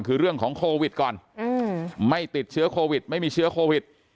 คือเรื่องของโควิดก่อนไม่ติดเชื้อโควิดไม่มีเชื้อโควิด